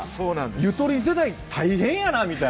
ゆとり世代、大変やなみたい